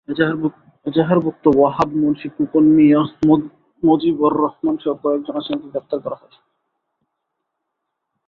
এজাহারভুক্ত ওয়াহাব মুন্সী, খোকন মিয়া, মজিবর রহমানসহ কয়েকজন আসামিকে গ্রেপ্তারও করা হয়।